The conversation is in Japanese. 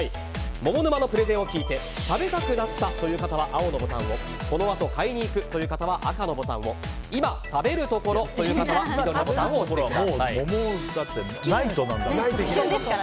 モモ沼のプレゼンを聞いて食べたくなったという方は青のボタンをこのあと買いに行くという方は赤のボタンを今食べるところという方はもう桃ないとなんだから。